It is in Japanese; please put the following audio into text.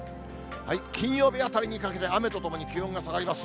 金曜日あたりにかけて雨とともに気温が下がります。